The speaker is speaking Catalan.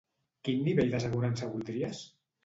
Quin nivell d'assegurança voldries?